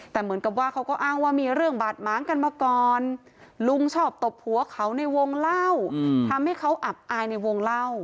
แต่เหมือนกับว่าเขาก็อ้างว่ามีเรื่องบาดม้างกันมาก่อน